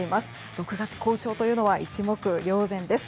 ６月、好調というのは一目瞭然です。